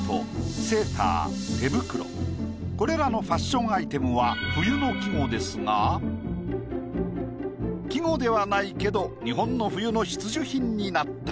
これらのファッションアイテムは冬の季語ですが季語ではないけど日本の冬の必需品になったもの。